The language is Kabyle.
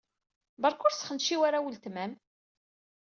Beṛka ur sxenciw ara weltma-m.